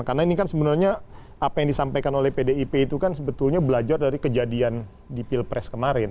karena ini kan sebenarnya apa yang disampaikan oleh pdip itu kan sebetulnya belajar dari kejadian di pilpres kemarin